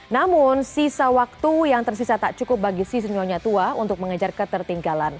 namun sisa waktu yang tersisa tak cukup bagi si senyonya tua untuk mengejar ketertinggalan